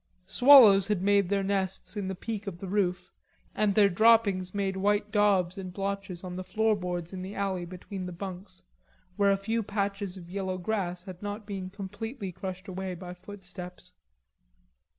Swallows had made their nests in the peak of the roof, and their droppings made white dobs and blotches on the floorboards in the alley between the bunks, where a few patches of yellow grass had not yet been completely crushed away by footsteps.